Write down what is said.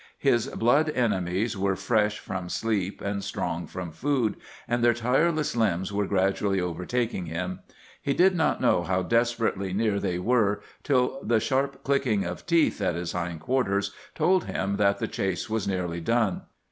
His blood enemies were fresh from sleep and strong from food, and their tireless limbs were gradually overtaking him. He did not know how desperately near they were till the sharp clicking of teeth at his hind quarters told him that the chase was nearly done.